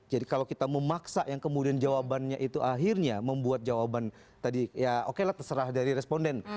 jadi kalau kita memaksa yang kemudian jawabannya itu akhirnya membuat jawaban tadi ya okelah terserah dari responden